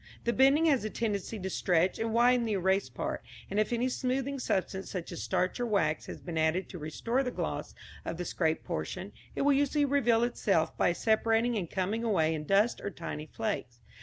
The bending has a tendency to stretch and widen the erased part, and if any smoothing substance such as starch or wax has been added to restore the gloss of the scraped portion, it will usually reveal itself by separating and coming away in dust or tiny flakes.